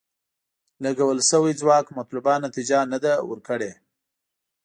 لګول شوی ځواک مطلوبه نتیجه نه ده ورکړې.